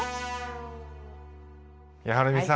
はるみさん